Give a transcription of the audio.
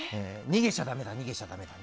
逃げちゃだめだ。